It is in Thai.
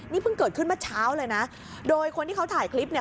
นี่เพิ่งเกิดขึ้นเมื่อเช้าเลยนะโดยคนที่เขาถ่ายคลิปเนี่ย